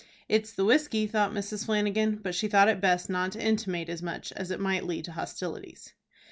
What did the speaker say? "It's the whiskey," thought Mrs. Flanagan; but she thought it best not to intimate as much, as it might lead to hostilities.